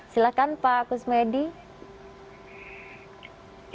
silahkan pak gus medis